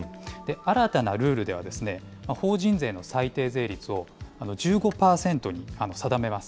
新たなルールではですね、法人税の最低税率を１５％に定めます。